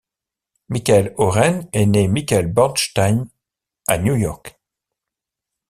Michael Oren est né Michael Bornstein à New York.